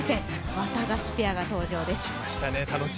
ワタガシペアが登場です。